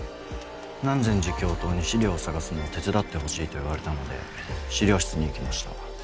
南禅寺教頭に資料を探すのを手伝ってほしいと言われたので資料室に行きました。